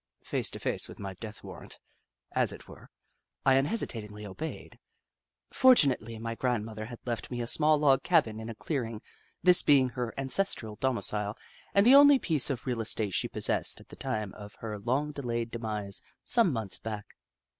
Face to face with my death warrant, as it were, I unhesitatingly obeyed. Fortunately, my grandmother had left me a small log cabin in a clearing, this being her ancestral domicile and the only piece of real estate she possessed at the time of her long delayed demise some months back.